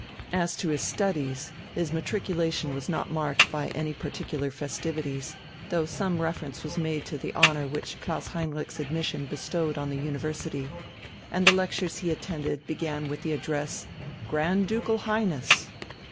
As to his studies, his matriculation was not marked by any particular festivities, though some reference was made to the honour which Klaus Heinrich's admission bestowed on the university, and the lectures he attended began with the address: "Grand Ducal Highness!"